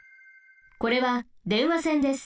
これは電話線です。